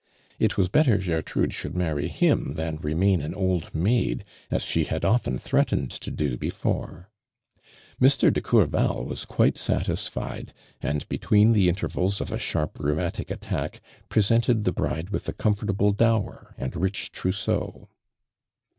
It was better Gertrude should marry him than remain an old maid, as she had often threatened to <lo beior \ Mr. de Courval was quite satis lied, and between the intervals of a sharp iheumatic attack, presented the bride with a comfortable dower and rich trousseau.